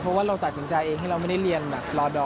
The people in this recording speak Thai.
เพราะว่าเราตัดสินใจเองให้เราไม่ได้เรียนแบบรอดอร์